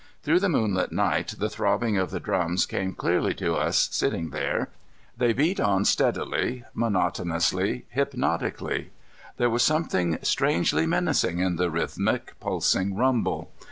Through the moonlit night the throbbing of the drums came clearly to us sitting there. They beat on steadily, monotonously, hypnotically. There was something strangely menacing in the rhythmic, pulsing rumble.